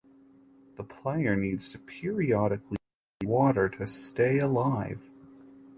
The player needs to periodically drink water to stay alive.